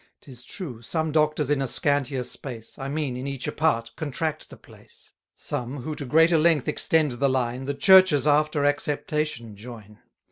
'Tis true, some doctors in a scantier space, I mean, in each apart, contract the place. Some, who to greater length extend the line, The Church's after acceptation join.